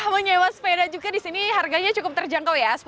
menyewa sepeda juga di sini harganya cukup terjangkau ya